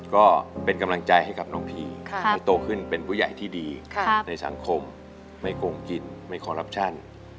ก็เป็นกำลังใจให้กับน้องพีให้โตขึ้นเป็นผู้ใหญ่ที่ดีในสังคมไม่โกงกินไม่คอรัปชั่น